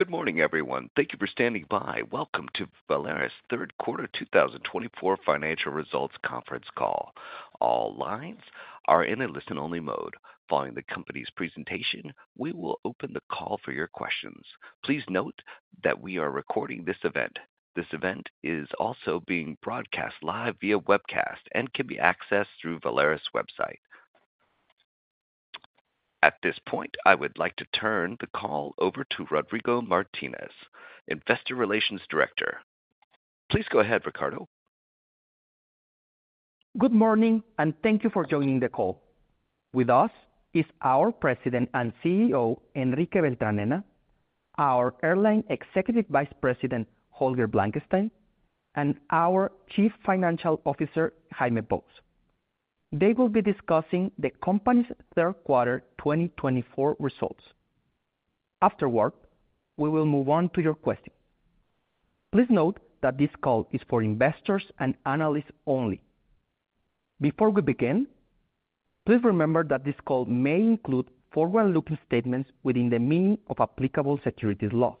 Good morning, everyone. Thank you for standing by. Welcome to Volaris' third quarter 2024 financial results conference call. All lines are in a listen-only mode. Following the company's presentation, we will open the call for your questions. Please note that we are recording this event. This event is also being broadcast live via webcast and can be accessed through Volaris' website. At this point, I would like to turn the call over to Ricardo Martinez, Investor Relations Director. Please go ahead, Ricardo. Good morning, and thank you for joining the call. With us is our President and CEO, Enrique Beltranena, our Airline Executive Vice President, Holger Blankenstein, and our Chief Financial Officer, Jaime Pous. They will be discussing the company's third quarter 2024 results. Afterward, we will move on to your questions. Please note that this call is for investors and analysts only. Before we begin, please remember that this call may include forward-looking statements within the meaning of applicable securities laws.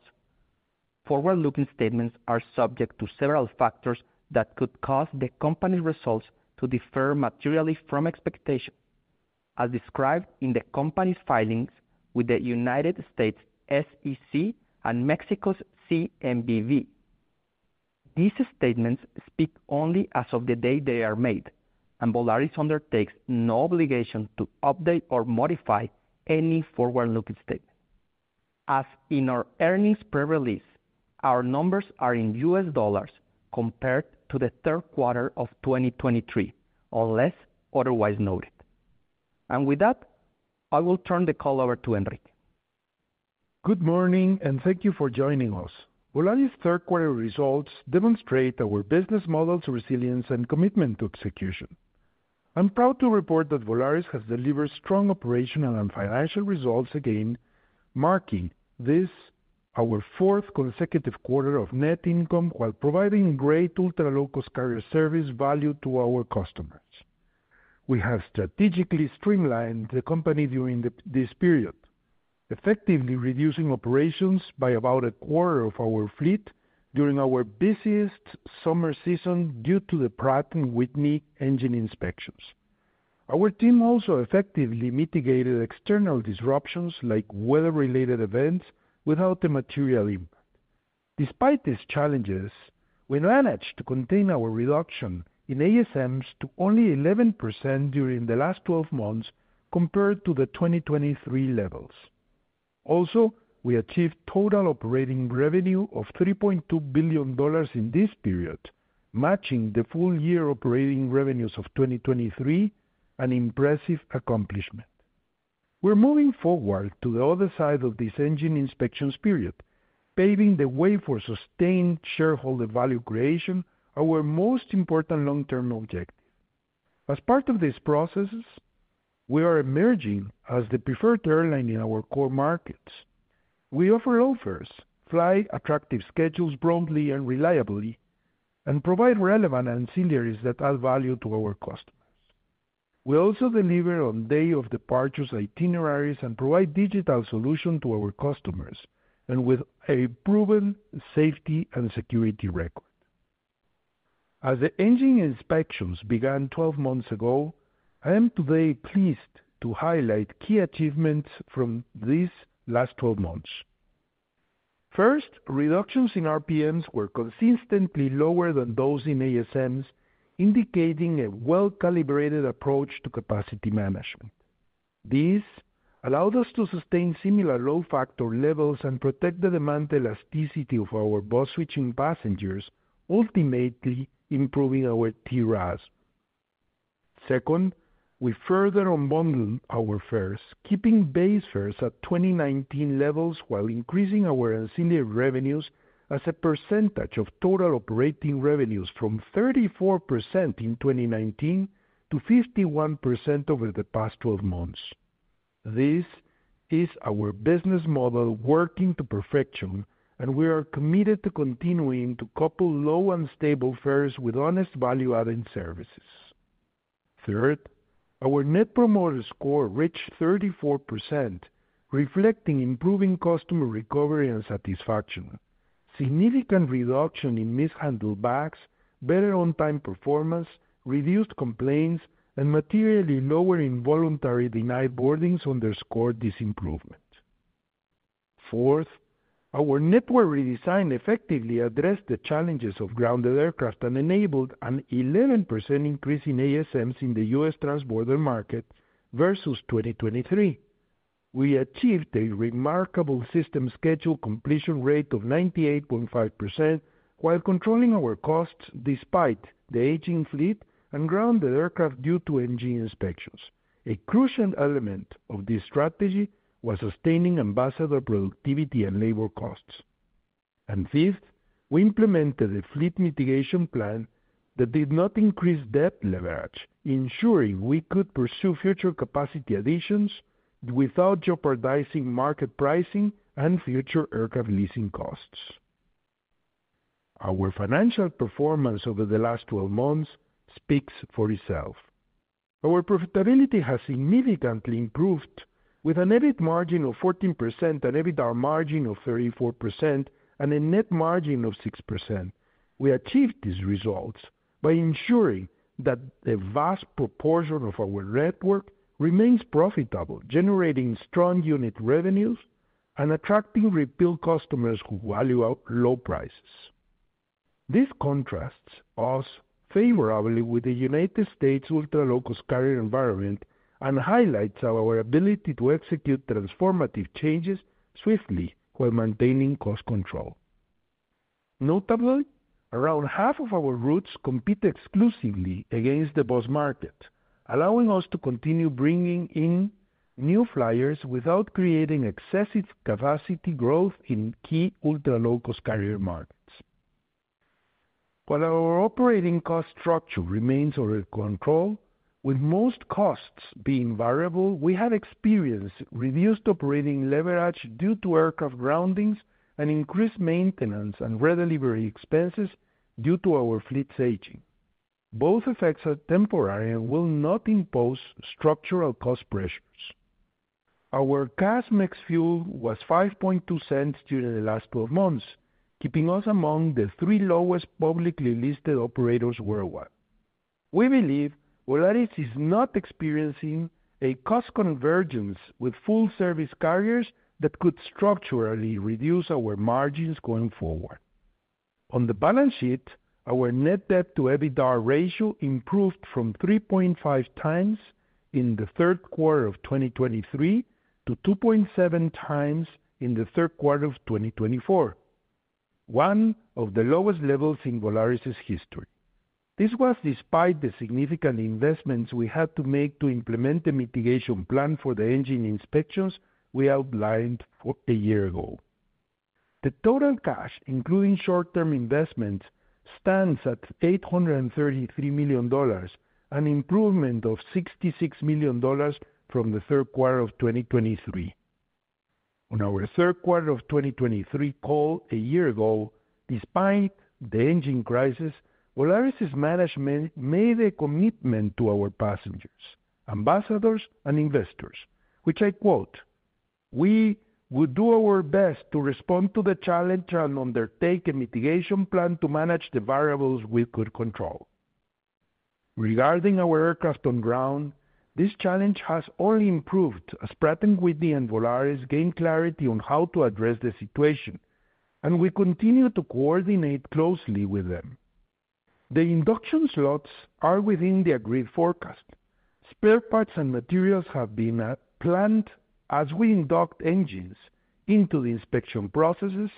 Forward-looking statements are subject to several factors that could cause the company's results to differ materially from expectations, as described in the company's filings with the United States SEC and Mexico's CNBV. These statements speak only as of the day they are made, and Volaris undertakes no obligation to update or modify any forward-looking statement. As in our earnings press release, our numbers are in U.S. dollars compared to the third quarter of 2023, unless otherwise noted. With that, I will turn the call over to Enrique. Good morning, and thank you for joining us. Volaris third quarter results demonstrate our business model's resilience and commitment to execution. I'm proud to report that Volaris has delivered strong operational and financial results, again, marking this our fourth consecutive quarter of net income, while providing great ultra-low-cost carrier service value to our customers. We have strategically streamlined the company during this period, effectively reducing operations by about a quarter of our fleet during our busiest summer season, due to the Pratt & Whitney engine inspections. Our team also effectively mitigated external disruptions, like weather-related events, without a material impact. Despite these challenges, we managed to contain our reduction in ASMs to only 11% during the last twelve months, compared to the 2023 levels. Also, we achieved total operating revenue of $3.2 billion in this period, matching the full year operating revenues of 2023, an impressive accomplishment. We're moving forward to the other side of this engine inspections period, paving the way for sustained shareholder value creation, our most important long-term objective. As part of these processes, we are emerging as the preferred airline in our core markets. We offer offers, fly attractive schedules promptly and reliably, and provide relevant ancillaries that add value to our customers. We also deliver on day of departures itineraries and provide digital solution to our customers, and with a proven safety and security record. As the engine inspections began 12 months ago, I am today pleased to highlight key achievements from these last 12 months. First, reductions in RPMs were consistently lower than those in ASMs, indicating a well-calibrated approach to capacity management. This allowed us to sustain similar load factor levels and protect the demand elasticity of our bus switching passengers, ultimately improving our TRASM. Second, we further unbundled our fares, keeping base fares at 2019 levels while increasing our ancillary revenues as a percentage of total operating revenues from 34% in 2019 to 51% over the past twelve months. This is our business model working to perfection, and we are committed to continuing to couple low and stable fares with honest value-added services. Third, our Net Promoter Score reached 34%, reflecting improving customer recovery and satisfaction. Significant reduction in mishandled bags, better on-time performance, reduced complaints, and materially lower involuntary denied boardings underscored this improvement. Fourth, our network redesign effectively addressed the challenges of grounded aircraft and enabled an 11% increase in ASMs in the US transborder market versus 2023. We achieved a remarkable system schedule completion rate of 98.5%, while controlling our costs despite the aging fleet and grounded aircraft due to engine inspections. A crucial element of this strategy was sustaining ambassador productivity and labor costs, and fifth, we implemented a fleet mitigation plan that did not increase debt leverage, ensuring we could pursue future capacity additions without jeopardizing market pricing and future aircraft leasing costs. Our financial performance over the last 12 months speaks for itself. Our profitability has significantly improved, with an EBIT margin of 14%, an EBITDA margin of 34%, and a net margin of 6%. We achieved these results by ensuring that a vast proportion of our network remains profitable, generating strong unit revenues and attracting repeat customers who value our low prices. This contrasts us favorably with the United States ultra-low-cost carrier environment, and highlights our ability to execute transformative changes swiftly while maintaining cost control. Notably, around half of our routes compete exclusively against the bus market, allowing us to continue bringing in new flyers without creating excessive capacity growth in key ultra-low-cost carrier markets. While our operating cost structure remains under control, with most costs being variable, we have experienced reduced operating leverage due to aircraft groundings and increased maintenance and re-delivery expenses due to our fleet's aging. Both effects are temporary and will not impose structural cost pressures. Our CASM ex-fuel was $0.052 during the last twelve months, keeping us among the three lowest publicly listed operators worldwide. We believe Volaris is not experiencing a cost convergence with full-service carriers that could structurally reduce our margins going forward. On the balance sheet, our Net Debt to EBITDA ratio improved from 3.5x in the third quarter of 2023, to 2.7x in the third quarter of 2024, one of the lowest levels in Volaris' history. This was despite the significant investments we had to make to implement the mitigation plan for the engine inspections we outlined for a year ago. The total cash, including short-term investments, stands at $833 million, an improvement of $66 million from the third quarter of 2023. On our third quarter of 2023 call a year ago, despite the engine crisis, Volaris' management made a commitment to our passengers, ambassadors, and investors, which I quote, "We will do our best to respond to the challenge and undertake a mitigation plan to manage the variables we could control." Regarding our aircraft on ground, this challenge has only improved as Pratt & Whitney and Volaris gained clarity on how to address the situation, and we continue to coordinate closely with them. The induction slots are within the agreed forecast. Spare parts and materials have been planned as we induct engines into the inspection processes,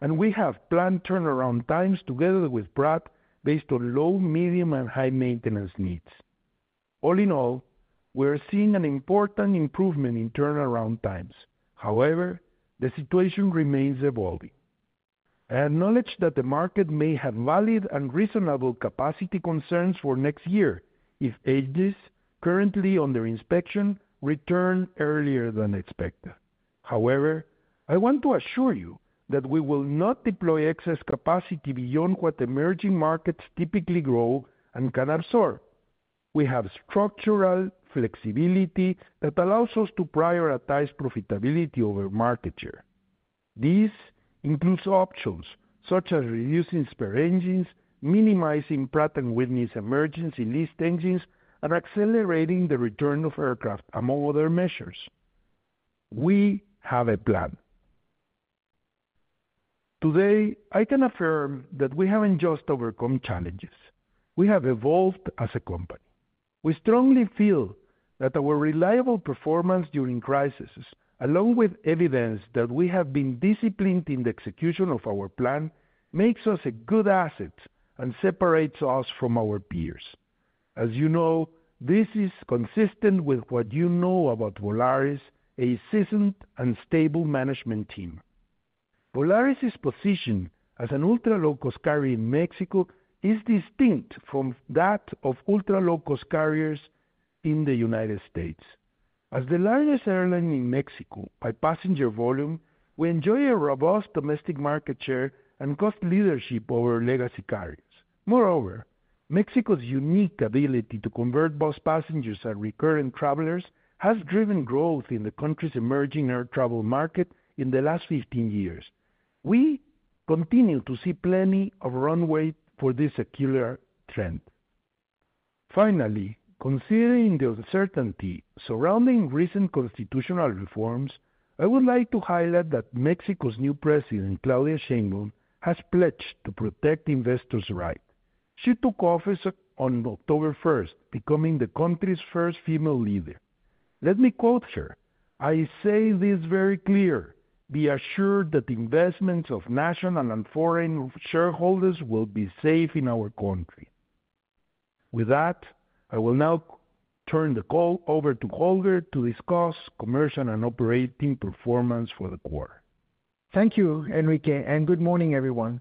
and we have planned turnaround times together with Pratt, based on low, medium, and high maintenance needs. All in all, we are seeing an important improvement in turnaround times. However, the situation remains evolving. I acknowledge that the market may have valid and reasonable capacity concerns for next year if engines currently under inspection return earlier than expected. However, I want to assure you that we will not deploy excess capacity beyond what emerging markets typically grow and can absorb. We have structural flexibility that allows us to prioritize profitability over market share. This includes options such as reducing spare engines, minimizing Pratt & Whitney's emergency leased engines, and accelerating the return of aircraft, among other measures. We have a plan. Today, I can affirm that we haven't just overcome challenges, we have evolved as a company. We strongly feel that our reliable performance during crises, along with evidence that we have been disciplined in the execution of our plan, makes us a good asset and separates us from our peers. As you know, this is consistent with what you know about Volaris, a seasoned and stable management team. Volaris' position as an ultra-low-cost carrier in Mexico is distinct from that of ultra-low-cost carriers in the United States. As the largest airline in Mexico by passenger volume, we enjoy a robust domestic market share and cost leadership over legacy carriers. Moreover, Mexico's unique ability to convert bus passengers and recurrent travelers, has driven growth in the country's emerging air travel market in the last fifteen years. We continue to see plenty of runway for this secular trend. Finally, considering the uncertainty surrounding recent constitutional reforms, I would like to highlight that Mexico's new president, Claudia Sheinbaum, has pledged to protect investors' right. She took office on October first, becoming the country's first female leader. Let me quote her: "I say this very clear. Be assured that the investments of national and foreign shareholders will be safe in our country." With that, I will now turn the call over to Holger to discuss commercial and operating performance for the quarter. Thank you, Enrique, and good morning, everyone.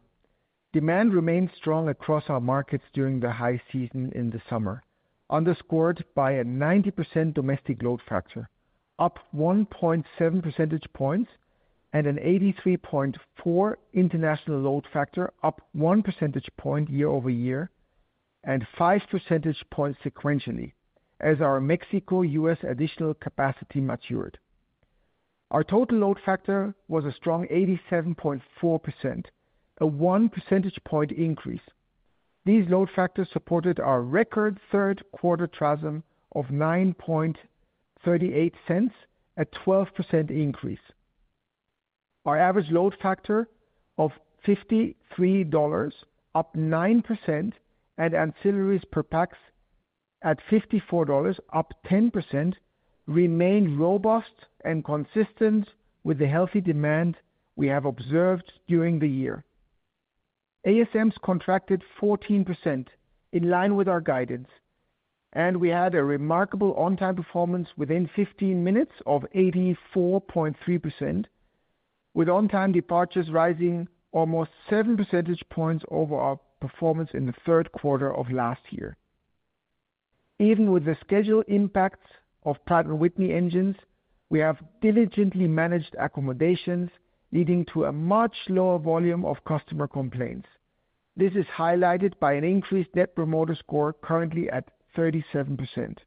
Demand remains strong across our markets during the high season in the summer, underscored by a 90% domestic load factor, up 1.7 percentage points, and an 83.4 international load factor, up 1 percentage point year-over-year, and 5 percentage points sequentially, as our Mexico-US additional capacity matured. Our total load factor was a strong 87.4%, a 1 percentage point increase. These load factors supported our record third quarter TRASM of 9.38 cents, a 12% increase. Our average fares of $53, up 9%, and ancillaries per pax at $54, up 10%, remained robust and consistent with the healthy demand we have observed during the year. ASMs contracted 14%, in line with our guidance, and we had a remarkable on-time performance within 15 minutes of 84.3%, with on-time departures rising almost 7 percentage points over our performance in the third quarter of last year. Even with the schedule impacts of Pratt & Whitney engines, we have diligently managed accommodations, leading to a much lower volume of customer complaints. This is highlighted by an increased net promoter score, currently at 37%.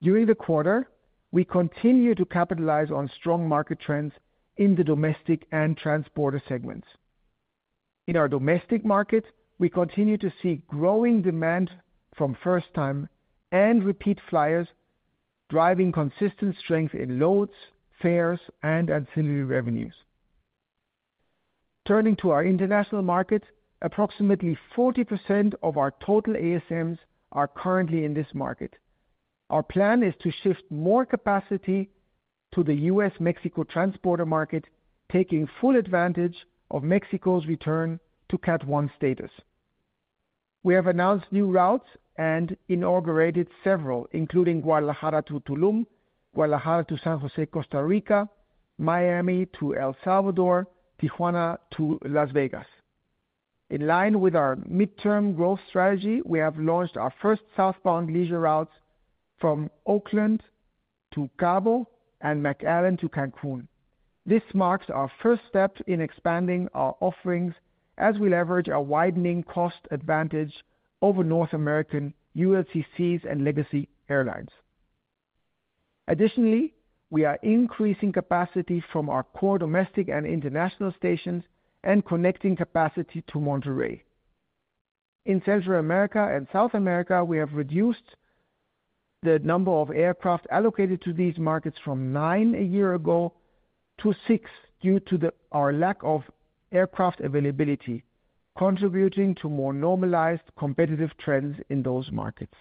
During the quarter, we continued to capitalize on strong market trends in the domestic and transborder segments. In our domestic market, we continue to see growing demand from first-time and repeat flyers, driving consistent strength in loads, fares, and ancillary revenues. Turning to our international market, approximately 40% of our total ASMs are currently in this market. Our plan is to shift more capacity to the U.S.-Mexico transborder market, taking full advantage of Mexico's return to Category 1 status. We have announced new routes and inaugurated several, including Guadalajara to Tulum, Guadalajara to San Jose, Costa Rica, Miami to El Salvador, Tijuana to Las Vegas. In line with our midterm growth strategy, we have launched our first southbound leisure routes from Oakland to Cabo and McAllen to Cancun. This marks our first step in expanding our offerings as we leverage a widening cost advantage over North American ULCCs and legacy airlines. Additionally, we are increasing capacity from our core domestic and international stations and connecting capacity to Monterrey. In Central America and South America, we have reduced the number of aircraft allocated to these markets from nine a year ago to six, due to our lack of aircraft availability, contributing to more normalized competitive trends in those markets.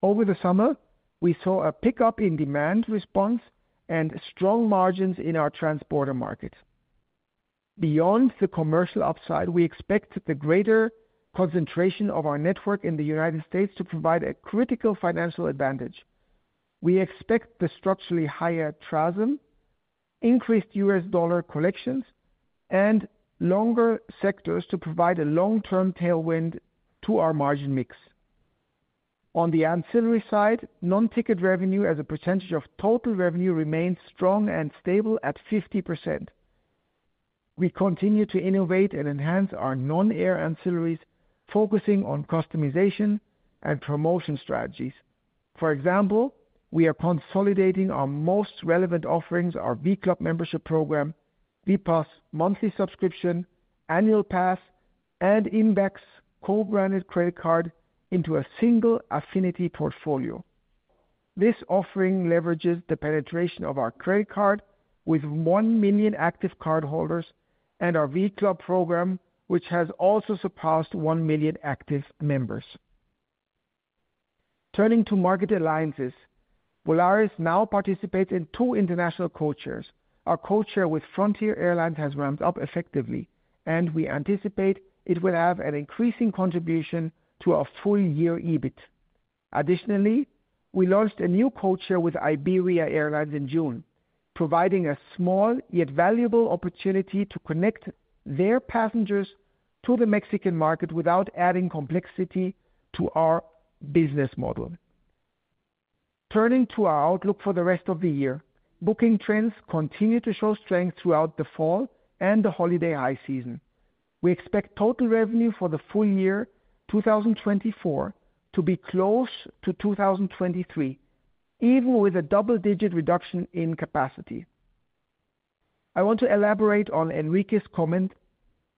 Over the summer, we saw a pickup in demand response and strong margins in our transborder market. Beyond the commercial upside, we expect the greater concentration of our network in the United States to provide a critical financial advantage. We expect the structurally higher TRASM, increased US dollar collections, and longer sectors to provide a long-term tailwind to our margin mix. On the ancillary side, non-ticket revenue as a percentage of total revenue remains strong and stable at 50%. We continue to innovate and enhance our non-fare ancillaries, focusing on customization and promotion strategies. For example, we are consolidating our most relevant offerings, our v.club membership program, v.pass monthly subscription, annual pass, and INVEX co-branded credit card, into a single affinity portfolio. This offering leverages the penetration of our credit card with one million active cardholders and our v.club program, which has also surpassed one million active members. Turning to market alliances, Volaris now participates in two international codeshares. Our codeshare with Frontier Airlines has ramped up effectively, and we anticipate it will have an increasing contribution to our full-year EBIT. Additionally, we launched a new codeshare with Iberia Airlines in June, providing a small, yet valuable opportunity to connect their passengers to the Mexican market without adding complexity to our business model. Turning to our outlook for the rest of the year, booking trends continue to show strength throughout the fall and the holiday high season. We expect total revenue for the full year 2024 to be close to 2023, even with a double-digit reduction in capacity. I want to elaborate on Enrique's comment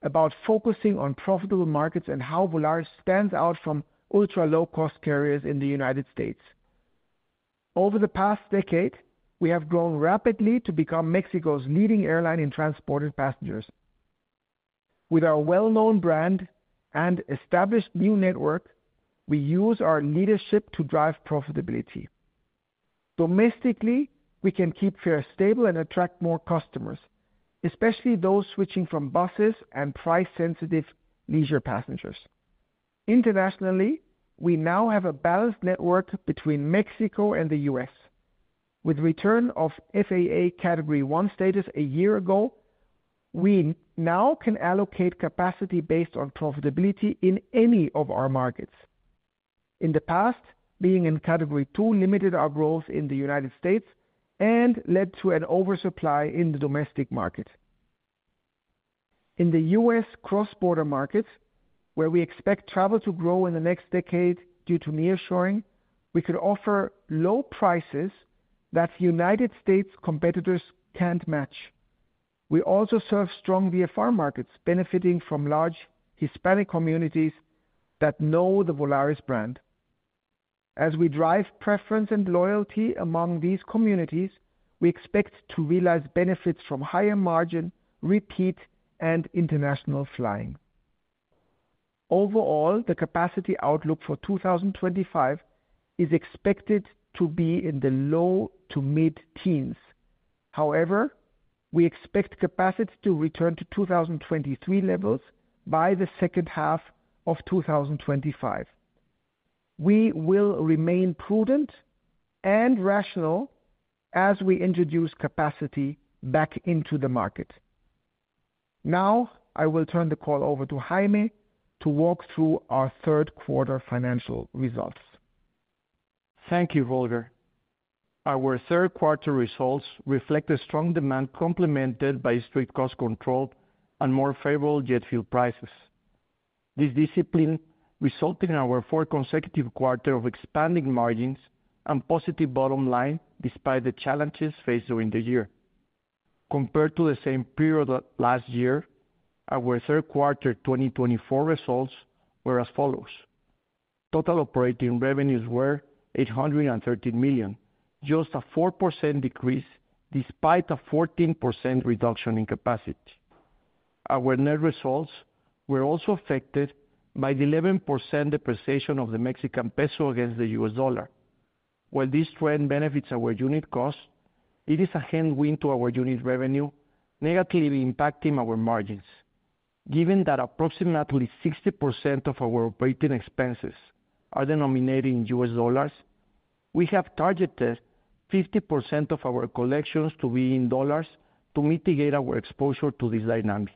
about focusing on profitable markets and how Volaris stands out from ultra-low-cost carriers in the United States. Over the past decade, we have grown rapidly to become Mexico's leading airline in transported passengers. With our well-known brand and established new network, we use our leadership to drive profitability. Domestically, we can keep fares stable and attract more customers, especially those switching from buses and price-sensitive leisure passengers. Internationally, we now have a balanced network between Mexico and the U.S. With return of FAA Category 1 status a year ago. We now can allocate capacity based on profitability in any of our markets. In the past, being in Category 2 limited our growth in the United States, and led to an oversupply in the domestic market. In the U.S. cross-border market, where we expect travel to grow in the next decade due to nearshoring, we could offer low prices that United States competitors can't match. We also serve strong VFR markets, benefiting from large Hispanic communities that know the Volaris brand. As we drive preference and loyalty among these communities, we expect to realize benefits from higher margin, repeat, and international flying. Overall, the capacity outlook for 2025 is expected to be in the low to mid-teens. However, we expect capacity to return to 2023 levels by the second half of 2025. We will remain prudent and rational as we introduce capacity back into the market. Now, I will turn the call over to Jaime, to walk through our third quarter financial results. Thank you, Holger. Our third quarter results reflect a strong demand, complemented by strict cost control and more favorable jet fuel prices. This discipline resulted in our fourth consecutive quarter of expanding margins and positive bottom line, despite the challenges faced during the year. Compared to the same period of last year, our third quarter 2024 results were as follows: Total operating revenues were $813 million, just a 4% decrease, despite a 14% reduction in capacity. Our net results were also affected by the 11% depreciation of the Mexican peso against the US dollar. While this trend benefits our unit cost, it is a headwind to our unit revenue, negatively impacting our margins. Given that approximately 60% of our operating expenses are denominated in US dollars, we have targeted 50% of our collections to be in dollars to mitigate our exposure to this dynamic.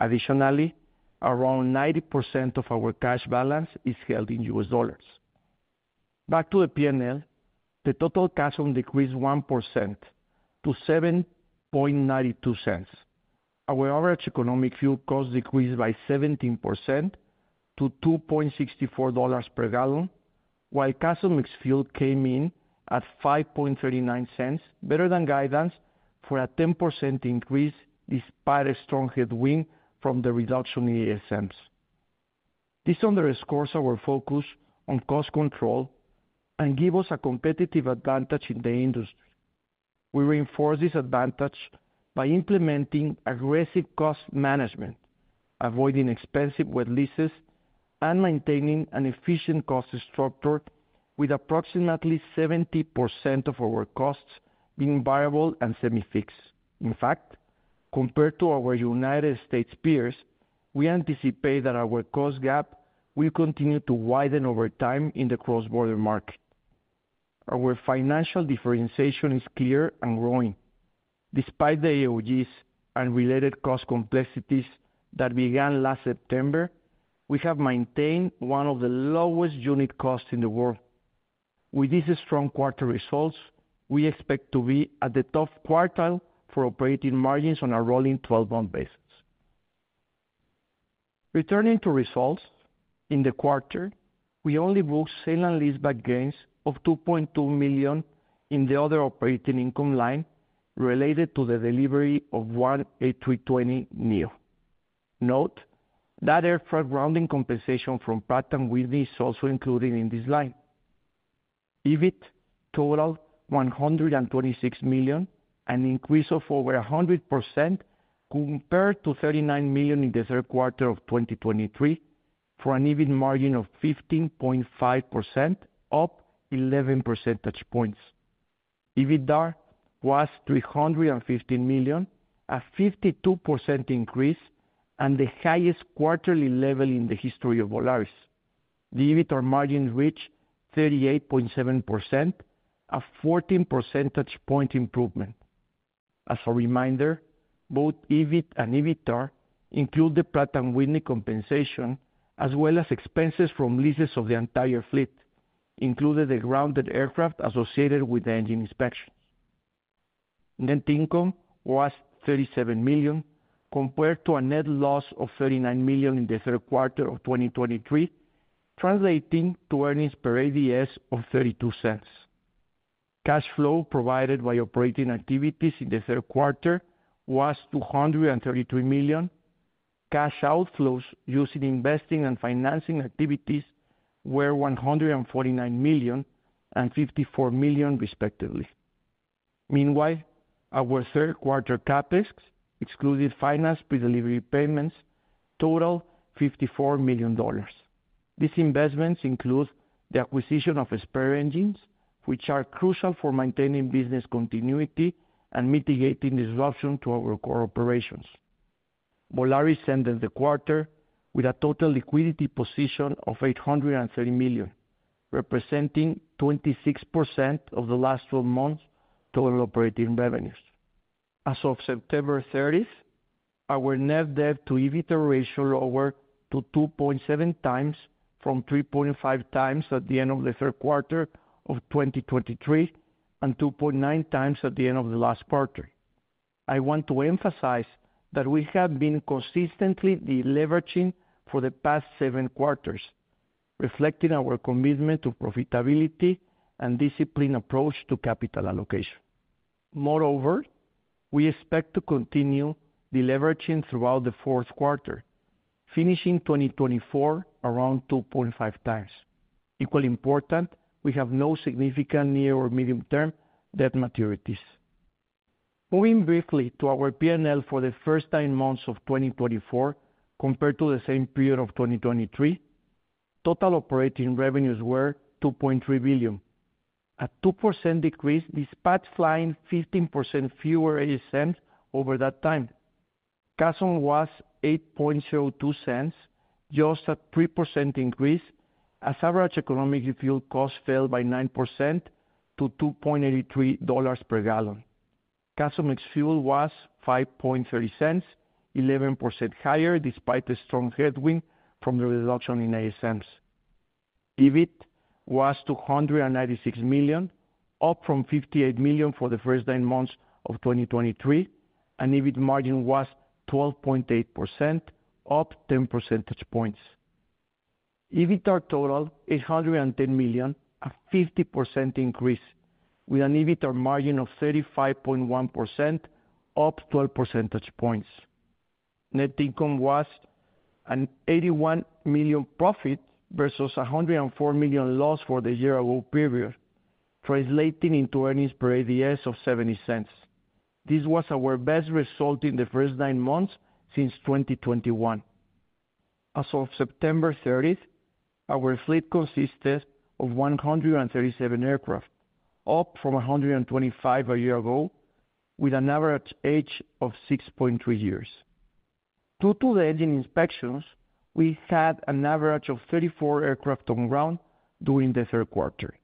Additionally, around 90% of our cash balance is held in US dollars. Back to the P&L, the total CASM decreased 1% to 7.92 cents. Our average economic fuel cost decreased by 17% to $2.64 per gallon, while CASM ex-fuel came in at 5.39 cents, better than guidance, for a 10% increase, despite a strong headwind from the reduction in ASMs. This underscores our focus on cost control and give us a competitive advantage in the industry. We reinforce this advantage by implementing aggressive cost management, avoiding expensive wet leases, and maintaining an efficient cost structure, with approximately 70% of our costs being variable and semi-fixed. In fact, compared to our United States peers, we anticipate that our cost gap will continue to widen over time in the cross-border market. Our financial differentiation is clear and growing. Despite the AOGs and related cost complexities that began last September, we have maintained one of the lowest unit costs in the world. With these strong quarter results, we expect to be at the top quartile for operating margins on a rolling twelve-month basis. Returning to results, in the quarter, we only booked sale and leaseback gains of $2.2 million in the other operating income line, related to the delivery of one A320neo. Note that aircraft grounding compensation from Pratt & Whitney is also included in this line. EBIT totaled $126 million, an increase of over 100% compared to $39 million in the third quarter of 2023, for an EBIT margin of 15.5%, up eleven percentage points. EBITDAR was $315 million, a 52% increase, and the highest quarterly level in the history of Volaris. The EBITDAR margin reached 38.7%, a fourteen percentage point improvement. As a reminder, both EBIT and EBITDAR include the Pratt & Whitney compensation, as well as expenses from leases of the entire fleet, including the grounded aircraft associated with the engine inspections. Net income was $37 million, compared to a net loss of $39 million in the third quarter of 2023, translating to earnings per ADS of $0.32. Cash flow provided by operating activities in the third quarter was $233 million. Cash outflows used in investing and financing activities were $149 million and $54 million, respectively. Meanwhile, our third quarter CapEx, excluding financed pre-delivery payments, totaled $54 million. These investments include the acquisition of spare engines, which are crucial for maintaining business continuity and mitigating disruption to our core operations. Volaris ended the quarter with a total liquidity position of $830 million, representing 26% of the last twelve months' total operating revenues. As of September thirtieth, our net debt to EBITDA ratio lowered to 2.7x from 3.5x at the end of the third quarter of 2023, and 2.9x at the end of the last quarter. I want to emphasize that we have been consistently deleveraging for the past seven quarters, reflecting our commitment to profitability and disciplined approach to capital allocation. Moreover, we expect to continue deleveraging throughout the fourth quarter, finishing 2024 around 2.5x. Equally important, we have no significant near or medium-term debt maturities. Moving briefly to our P&L for the first nine months of 2024 compared to the same period of 2023, total operating revenues were $2.3 billion, a 2% decrease, despite flying 15% fewer ASMs over that time. CASM was $0.0802, just a 3% increase, as average economic fuel cost fell by 9% to $2.83 per gallon. CASM ex fuel was $0.0530, 11% higher, despite the strong headwind from the reduction in ASMs. EBIT was $296 million, up from $58 million for the first nine months of 2023, and EBIT margin was 12.8%, up 10 percentage points. EBITDA totaled $810 million, a 50% increase, with an EBITDA margin of 35.1%, up 12 percentage points. Net income was an $81 million profit versus a $104 million loss for the year-ago period, translating into earnings per ADS of $0.70. This was our best result in the first nine months since 2021. As of September 30th, our fleet consisted of 137 aircraft, up from 125 a year ago, with an average age of 6.3 years. Due to the engine inspections, we had an average of 34 aircraft on ground during the third quarter.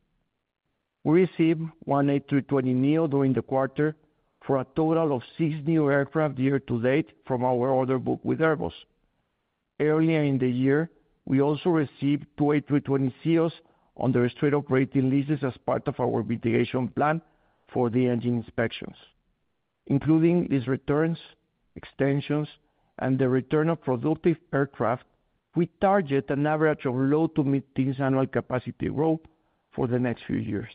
We received one A320neo during the quarter, for a total of six new aircraft year-to-date from our order book with Airbus. Earlier in the year, we also received two A320ceos on the straight operating leases as part of our mitigation plan for the engine inspections. Including these returns, extensions, and the return of productive aircraft, we target an average of low to mid-teens annual capacity growth for the next few years.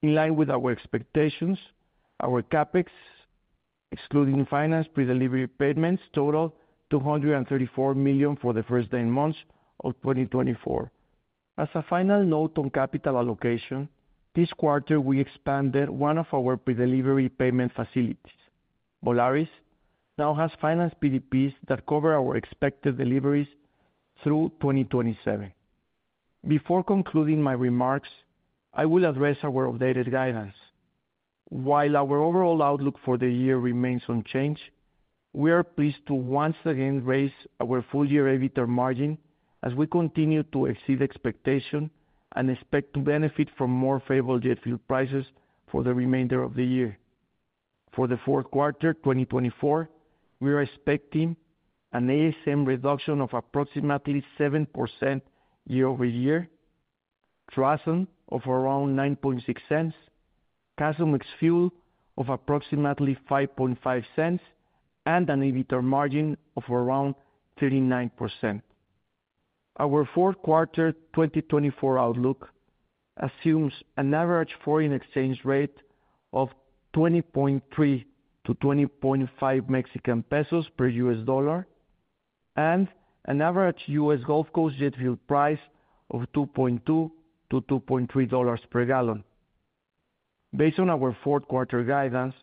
In line with our expectations, our CapEx, excluding financed pre-delivery payments, totaled $234 million for the first nine months of 2024. As a final note on capital allocation, this quarter, we expanded one of our pre-delivery payment facilities. Volaris now has financed PDPs that cover our expected deliveries through 2027. Before concluding my remarks, I will address our updated guidance. While our overall outlook for the year remains unchanged, we are pleased to once again raise our full-year EBITDA margin, as we continue to exceed expectations and expect to benefit from more favorable jet fuel prices for the remainder of the year. For the fourth quarter 2024, we are expecting an ASM reduction of approximately 7% year-over-year, TRASM of around 9.6 cents, CASM ex fuel of approximately 5.5 cents, and an EBITDA margin of around 39%. Our fourth quarter 2024 outlook assumes an average foreign exchange rate of 20.3-20.5 Mexican pesos per $1, and an average US Gulf Coast jet fuel price of $2.2-$2.3 per gallon. Based on our fourth quarter guidance,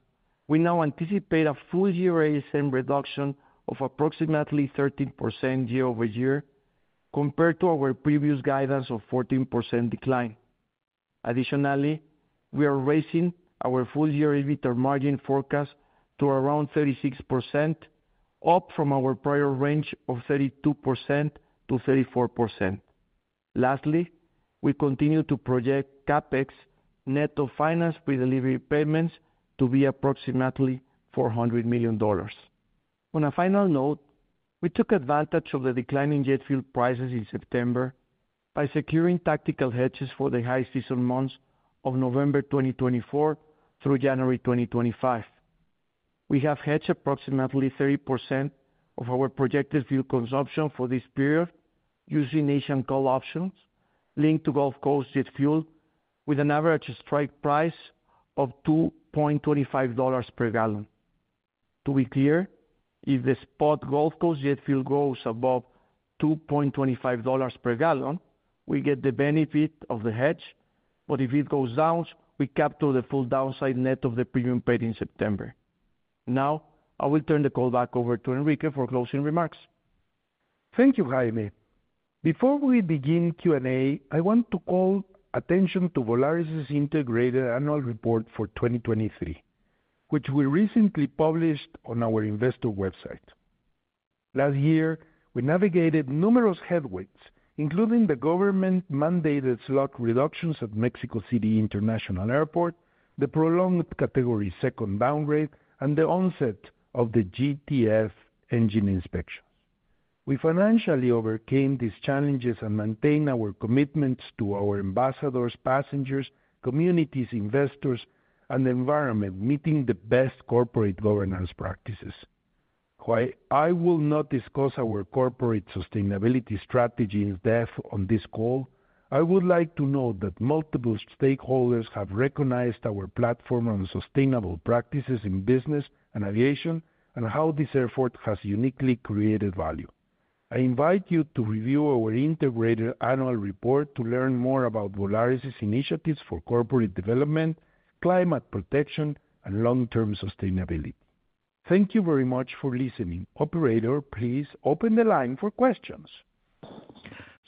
we now anticipate a full-year ASM reduction of approximately 13% year-over-year, compared to our previous guidance of 14% decline. Additionally, we are raising our full-year EBITDA margin forecast to around 36%, up from our prior range of 32%-34%. Lastly, we continue to project CapEx net of finance pre-delivery payments to be approximately $400 million. On a final note, we took advantage of the declining jet fuel prices in September by securing tactical hedges for the high-season months of November 2024 through January 2025. We have hedged approximately 30% of our projected fuel consumption for this period using Asian call options linked to Gulf Coast jet fuel, with an average strike price of $2.25 per gallon. To be clear, if the spot Gulf Coast jet fuel goes above $2.25 per gallon, we get the benefit of the hedge, but if it goes down, we capture the full downside net of the premium paid in September. Now, I will turn the call back over to Enrique for closing remarks. Thank you, Jaime. Before we begin Q&A, I want to call attention to Volaris's integrated annual report for 2023, which we recently published on our investor website. Last year, we navigated numerous headwinds, including the government-mandated slot reductions at Mexico City International Airport, the prolonged Category 2 downgrade, and the onset of the GTF engine inspections. We financially overcame these challenges and maintained our commitments to our ambassadors, passengers, communities, investors, and the environment, meeting the best corporate governance practices. While I will not discuss our corporate sustainability strategy in depth on this call, I would like to note that multiple stakeholders have recognized our platform on sustainable practices in business and aviation, and how this effort has uniquely created value. I invite you to review our integrated annual report to learn more about Volaris's initiatives for corporate development, climate protection, and long-term sustainability. Thank you very much for listening. Operator, please open the line for questions.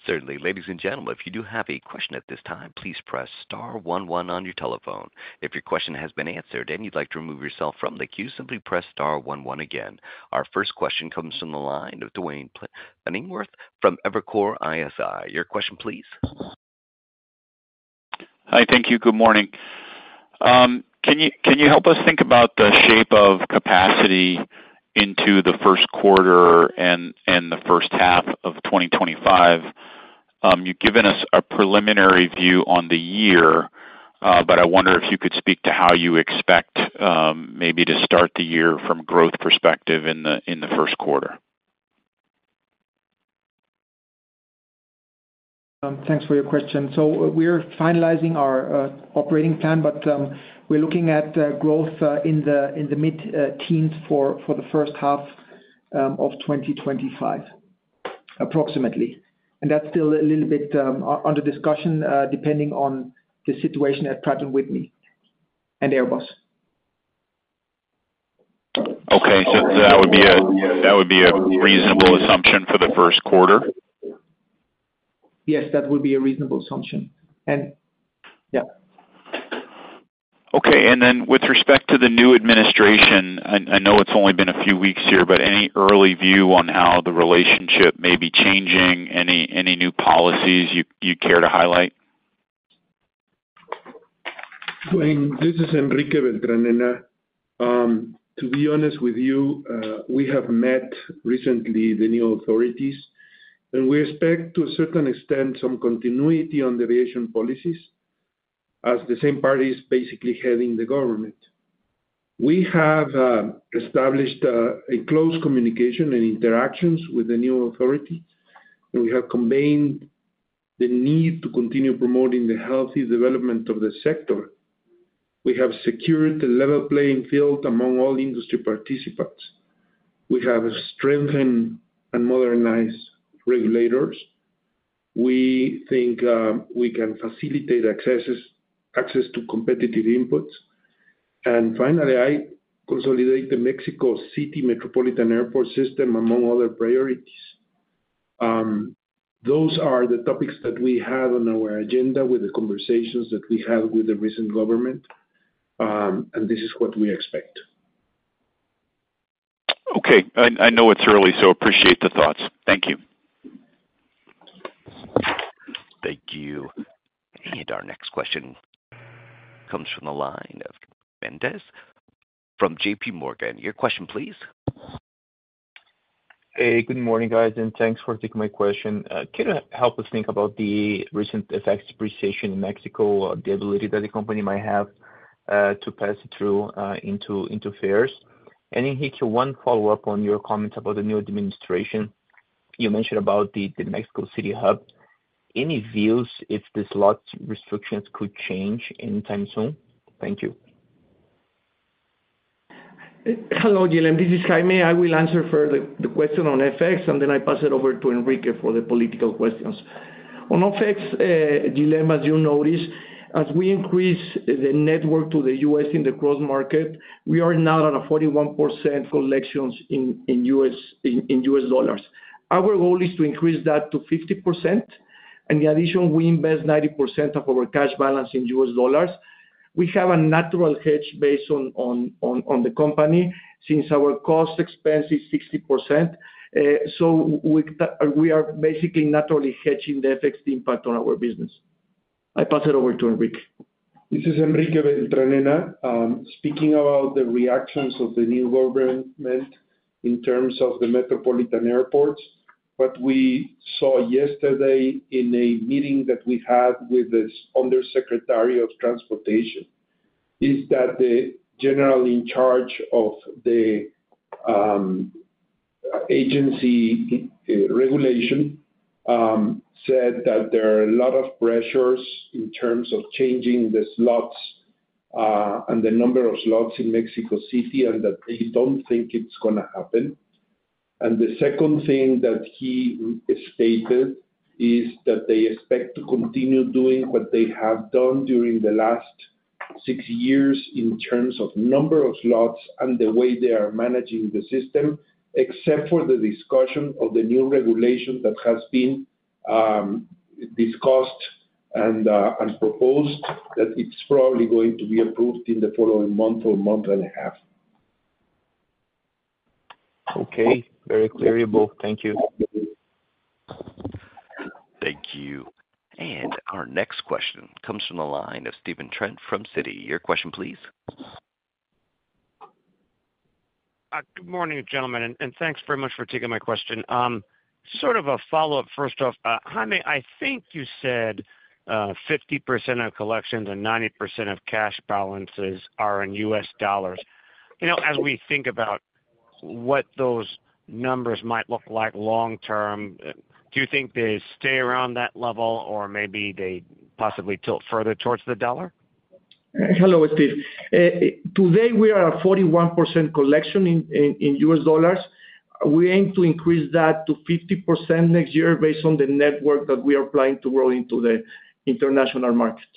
Certainly. Ladies and gentlemen, if you do have a question at this time, please press star one one on your telephone. If your question has been answered and you'd like to remove yourself from the queue, simply press star one one again. Our first question comes from the line of Duane Pfennigwerth from Evercore ISI. Your question, please. Hi. Thank you. Good morning. Can you help us think about the shape of capacity into the first quarter and the first half of 2025? You've given us a preliminary view on the year, but I wonder if you could speak to how you expect maybe to start the year from growth perspective in the first quarter. Thanks for your question. So we're finalizing our operating plan, but we're looking at growth in the mid-teens for the first half of 2025, approximately. And that's still a little bit under discussion depending on the situation at Pratt & Whitney and Airbus. Okay, so that would be a reasonable assumption for the first quarter? Yes, that would be a reasonable assumption. And, yeah. Okay, and then with respect to the new administration, I know it's only been a few weeks here, but any early view on how the relationship may be changing? Any new policies you care to highlight? Duane, this is Enrique Beltranena. To be honest with you, we have met recently the new authorities, and we expect, to a certain extent, some continuity on the aviation policies, as the same party is basically heading the government. We have established a close communication and interactions with the new authority, and we have conveyed the need to continue promoting the healthy development of the sector. We have secured a level playing field among all industry participants. We have strengthened and modernized regulators. We think we can facilitate access to competitive inputs. And finally, I consolidate the Mexico City Metropolitan Airport system, among other priorities. Those are the topics that we have on our agenda with the conversations that we have with the recent government, and this is what we expect. Okay. I know it's early, so appreciate the thoughts. Thank you. Thank you. And our next question comes from the line of Mendes from JPMorgan. Your question, please. Hey, good morning, guys, and thanks for taking my question. Can you help us think about the recent FX depreciation in Mexico, the ability that the company might have to pass through into fares? Enrique, one follow-up on your comments about the new administration. You mentioned about the Mexico City hub. Any views if the slot restrictions could change anytime soon? Thank you. Hello, Dylan, this is Jaime. I will answer first the question on FX, and then I pass it over to Enrique for the political questions. On FX, Dylan, as you notice, as we increase the network to the US in the growth market, we are now on a 41% collections in US dollars. Our goal is to increase that to 50%. In addition, we invest 90% of our cash balance in US dollars. We have a natural hedge based on the company, since our cost expense is 60%. So we are basically naturally hedging the FX impact on our business. I pass it over to Enrique. This is Enrique Beltranena. Speaking about the reactions of the new government in terms of the metropolitan airports, what we saw yesterday in a meeting that we had with the undersecretary of transportation, is that the general in charge of the agency regulation said that there are a lot of pressures in terms of changing the slots, and the number of slots in Mexico City, and that they don't think it's going to happen, and the second thing that he stated is that they expect to continue doing what they have done during the last six years in terms of number of slots and the way they are managing the system, except for the discussion of the new regulation that has been discussed and proposed, that it's probably going to be approved in the following month or month and a half. Okay. Very clearable. Thank you. Thank you. And our next question comes from the line of Stephen Trent from Citi. Your question, please? Good morning, gentlemen, and thanks very much for taking my question. Sort of a follow-up first off. Jaime, I think you said 50% of collections and 90% of cash balances are in US dollars. You know, as we think about what those numbers might look like long term, do you think they stay around that level, or maybe they possibly tilt further towards the dollar? Hello, Steve. Today, we are at 41% collection in US dollars. We aim to increase that to 50% next year based on the network that we are planning to grow into the international market.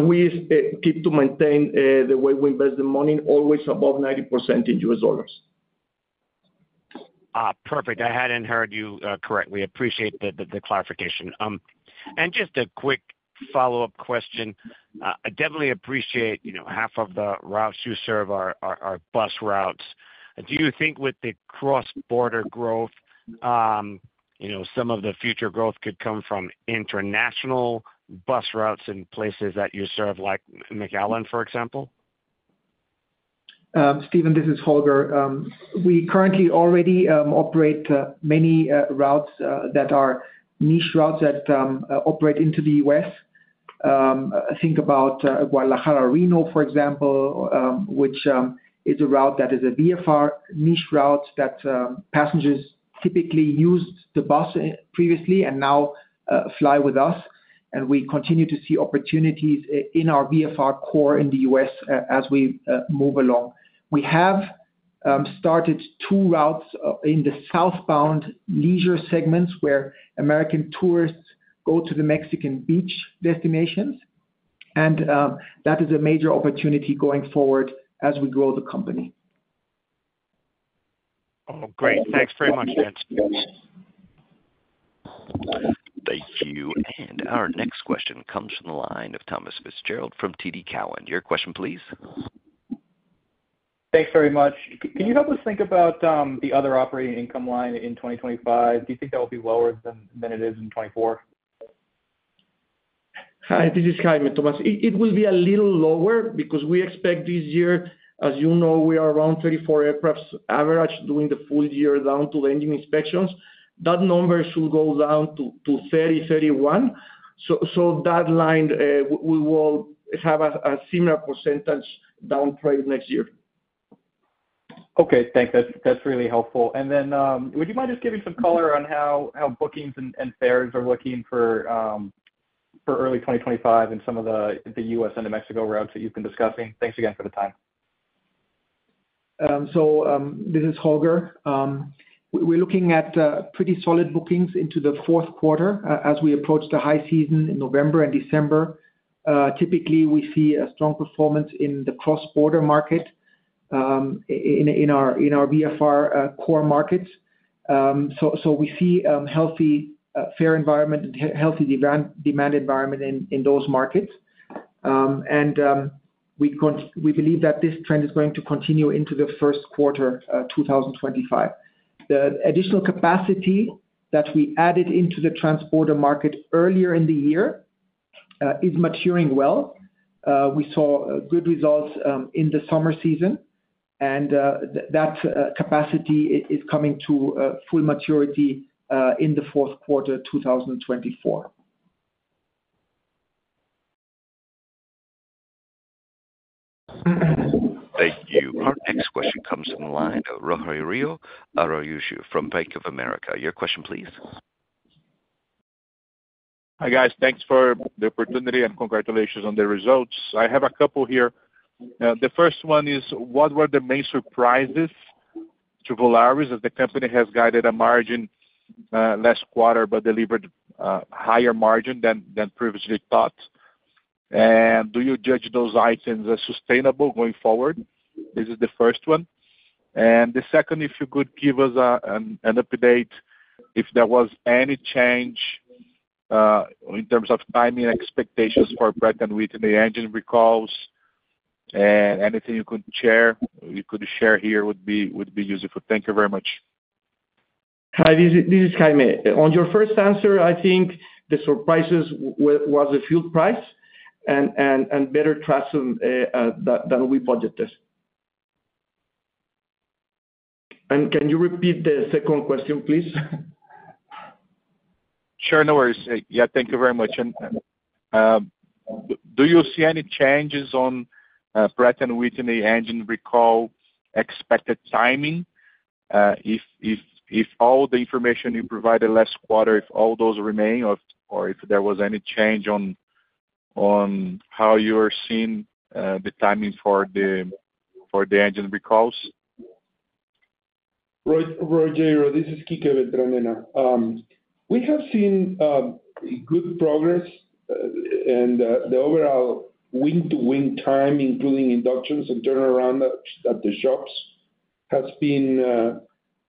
We keep to maintain the way we invest the money, always above 90% in US dollars. Ah, perfect. I hadn't heard you correctly. Appreciate the clarification. And just a quick follow-up question. I definitely appreciate, you know, half of the routes you serve are bus routes. Do you think with the cross-border growth, you know, some of the future growth could come from international bus routes in places that you serve, like McAllen, for example? Stephen, this is Holger. We currently already operate many routes that are niche routes that operate into the US. Think about Guadalajara-Reno, for example, which is a route that is a VFR niche route that passengers typically used the bus previously and now fly with us, and we continue to see opportunities in our VFR core in the US as we move along. We have started two routes in the southbound leisure segments, where American tourists go to the Mexican beach destinations, and that is a major opportunity going forward as we grow the company. Oh, great. Thanks very much. Thank you. And our next question comes from the line of Thomas Fitzgerald from TD Cowen. Your question, please. Thanks very much. Can you help us think about the other operating income line in 2025? Do you think that will be lower than it is in 2024? Hi, this is Jaime. Thomas, it will be a little lower because we expect this year, as you know, we are around 34 aircraft average during the full year down to the engine inspections. That number should go down to 30-31. So that line, we will have a similar percentage down trade next year. Okay, thanks. That's really helpful. And then, would you mind just giving some color on how bookings and fares are looking for early 2025 in some of the U.S. and Mexico routes that you've been discussing? Thanks again for the time. This is Holger. We're looking at pretty solid bookings into the fourth quarter as we approach the high season in November and December. Typically, we see a strong performance in the cross-border market in our VFR core markets. So we see healthy fare environment and healthy demand environment in those markets. We believe that this trend is going to continue into the first quarter 2025. The additional capacity that we added into the transborder market earlier in the year is maturing well. We saw good results in the summer season, and that capacity is coming to full maturity in the fourth quarter 2024. Thank you. Our next question comes from the line of Rogério Araújo from Bank of America. Your question, please. Hi, guys. Thanks for the opportunity, and congratulations on the results. I have a couple here. The first one is, what were the main surprises to Volaris, as the company has guided a margin last quarter, but delivered higher margin than previously thought? And do you judge those items as sustainable going forward? This is the first one. And the second, if you could give us an update, if there was any change in terms of timing expectations for Pratt & Whitney, the engine recalls, and anything you could share here would be useful. Thank you very much. Hi, this is Jaime. On your first answer, I think the surprises was the fuel price and better RASM than we budgeted. Can you repeat the second question, please? Sure, no worries. Yeah, thank you very much. And do you see any changes on Pratt & Whitney engine recall expected timing? If all the information you provided last quarter, if all those remain or if there was any change on how you are seeing the timing for the engine recalls? Rogério, this is Enrique Beltranena. We have seen good progress, and the overall in-to-in time, including inductions and turnaround at the shops, has been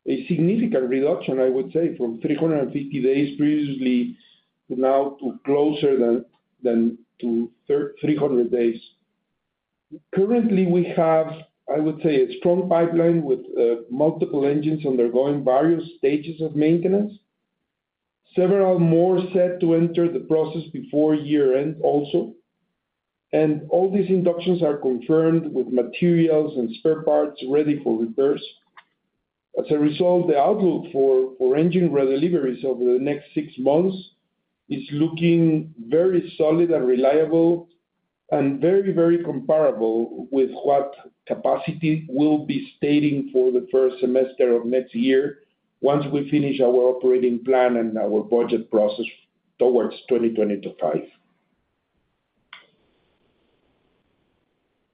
a significant reduction, I would say, from 350 days previously now to closer to 300 days. Currently, we have, I would say, a strong pipeline with multiple engines undergoing various stages of maintenance. Several more set to enter the process before year-end also, and all these inductions are confirmed with materials and spare parts ready for repairs. As a result, the outlook for engine redeliveries over the next six months is looking very solid and reliable, and very comparable with what capacity will be shaping for the first semester of next year, once we finish our operating plan and our budget process towards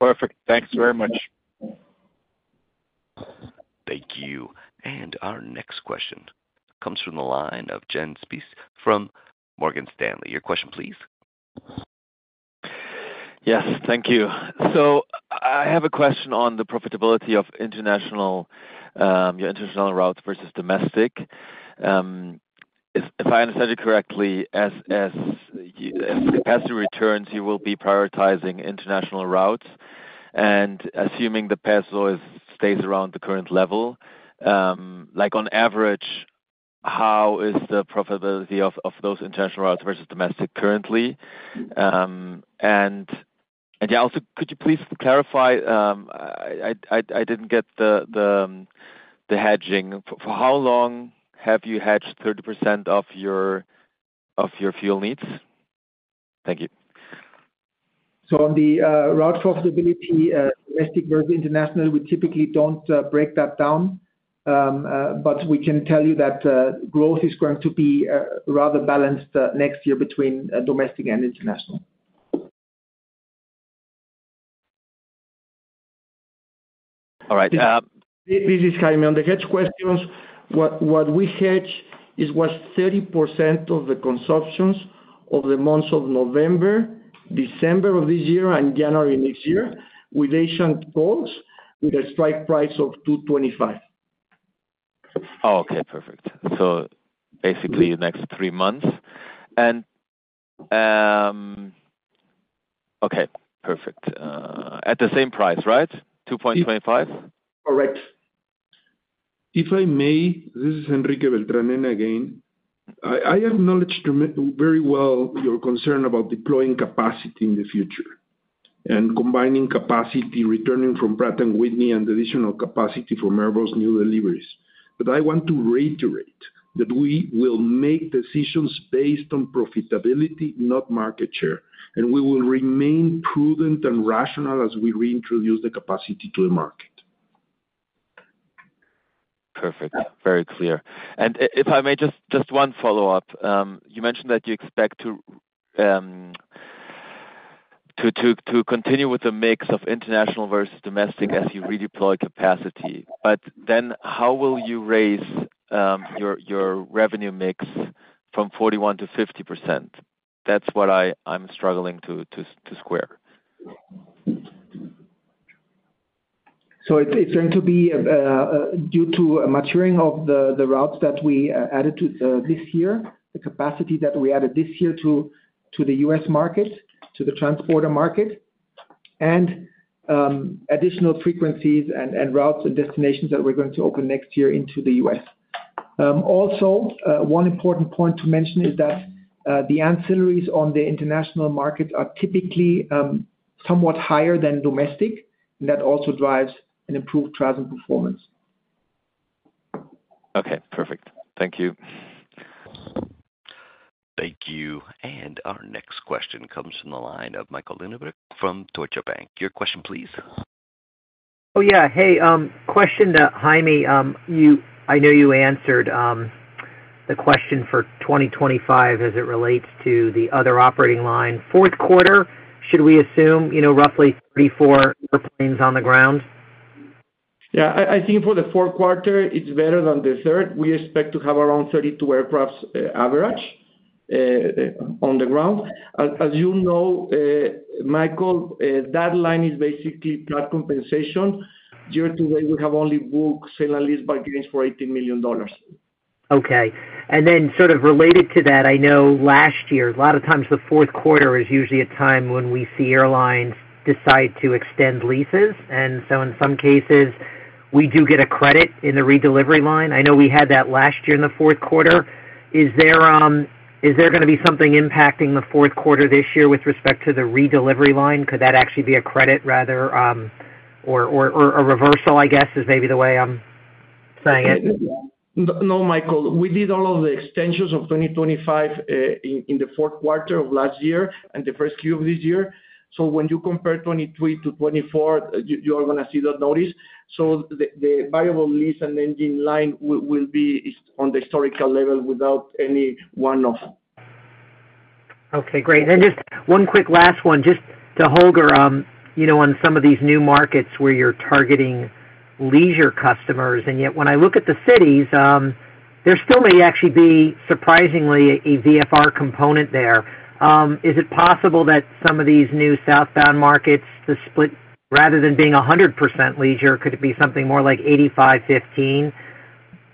twenty twenty-five. Perfect. Thanks very much. Thank you. And our next question comes from the line of Jens Spiess from Morgan Stanley. Your question, please. Yes, thank you. So I have a question on the profitability of international, your international routes versus domestic. If I understand you correctly, as capacity returns, you will be prioritizing international routes, and assuming the peso stays around the current level, like, on average, how is the profitability of those international routes versus domestic currently? Yeah, also, could you please clarify, I didn't get the hedging. For how long have you hedged 30% of your fuel needs? Thank you. On the route profitability, domestic versus international, we typically don't break that down, but we can tell you that growth is going to be rather balanced next year between domestic and international. All right, This is Jaime. On the hedge questions, what we hedge is 30% of the consumptions of the months of November, December of this year, and January next year, with Asian calls, with a strike price of $2.25. Oh, okay. Perfect. So basically the next three months. Okay, perfect. At the same price, right? Two point twenty-five? Correct. If I may, this is Enrique Beltranena again. I acknowledge very well your concern about deploying capacity in the future and combining capacity returning from Pratt & Whitney, and additional capacity from Airbus new deliveries. But I want to reiterate that we will make decisions based on profitability, not market share, and we will remain prudent and rational as we reintroduce the capacity to the market. Perfect. Very clear. And if I may, just one follow-up. You mentioned that you expect to continue with the mix of international versus domestic as you redeploy capacity. But then how will you raise your revenue mix from 41% to 50%? That's what I'm struggling to square. So it's going to be due to a maturing of the routes that we added this year, the capacity that we added this year to the U.S. market, to the transborder market, and additional frequencies and routes and destinations that we're going to open next year into the U.S. Also, one important point to mention is that the ancillaries on the international market are typically somewhat higher than domestic, and that also drives an improved travel performance. Okay, perfect. Thank you. Thank you, and our next question comes from the line of Michael Linenberg from Deutsche Bank. Your question, please. Oh, yeah. Hey, question to Jaime. I know you answered the question for 2025 as it relates to the other operating line. Fourth quarter, should we assume, you know, roughly 34 airplanes on the ground? Yeah, I think for the fourth quarter, it's better than the third. We expect to have around 32 aircraft average on the ground. As you know, Michael, that line is basically pilot compensation. Year to date, we have only booked sale and leaseback for $18 million. Okay. And then sort of related to that, I know last year, a lot of times the fourth quarter is usually a time when we see airlines decide to extend leases, and so in some cases, we do get a credit in the redelivery line. I know we had that last year in the fourth quarter. Is there gonna be something impacting the fourth quarter this year with respect to the redelivery line? Could that actually be a credit rather, or a reversal, I guess, is maybe the way I'm saying it? No, Michael. We did all of the extensions of 2025 in the fourth quarter of last year and the first Q of this year. So when you compare 2023 to 2024, you are gonna see that notice. So the variable lease and engine line will be on the historical level without any one-off. Okay, great. And just one quick last one, just to Holger. You know, on some of these new markets where you're targeting leisure customers, and yet when I look at the cities, there still may actually be, surprisingly, a VFR component there. Is it possible that some of these new southbound markets, the split, rather than being 100% leisure, could it be something more like 85% or 15%?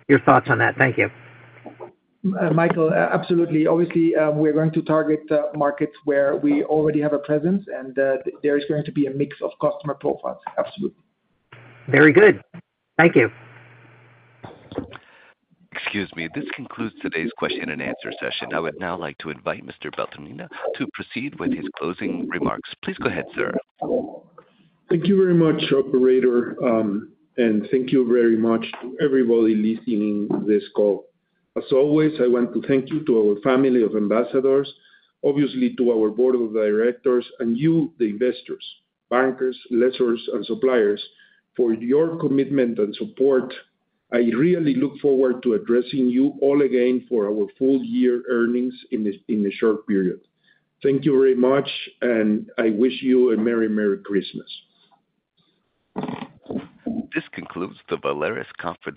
Your thoughts on that. Thank you. Michael, absolutely. Obviously, we're going to target markets where we already have a presence, and there is going to be a mix of customer profiles. Absolutely. Very good. Thank you. Excuse me. This concludes today's question-and-answer session. I would now like to invite Mr. Beltranena to proceed with his closing remarks. Please go ahead, sir. Thank you very much, Operator, and thank you very much to everybody listening to this call. As always, I want to thank you to our family of ambassadors, obviously to our board of directors, and you, the investors, bankers, lessors, and suppliers, for your commitment and support. I really look forward to addressing you all again for our full year earnings in the short period. Thank you very much, and I wish you a merry, merry Christmas. This concludes the Volaris conference-